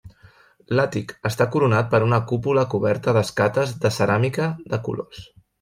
L'àtic està coronat per una cúpula coberta d'escates de ceràmica de colors.